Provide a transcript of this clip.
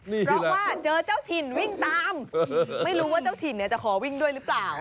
เพราะว่าเจอเจ้าถิ่นวิ่งตามไม่รู้ว่าเจ้าถิ่นจะขอวิ่งด้วยหรือเปล่า